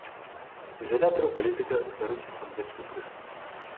У ізалятары ў палітыка здарыўся сардэчны прыступ.